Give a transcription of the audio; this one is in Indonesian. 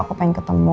aku pengen ketemu